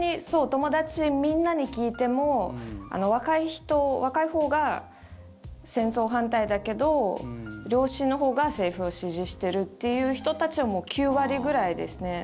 友達みんなに聞いても若い人、若いほうが戦争反対だけど両親のほうが政府を支持してるっていう人たちもう９割ぐらいですね。